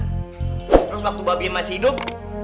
terus waktu babi masih hidup